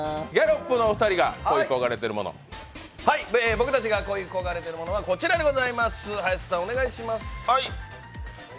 僕たちが恋こがれているものはこちらです。